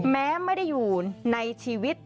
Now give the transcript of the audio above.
แม้ไม่ได้อยู่ในชีวิต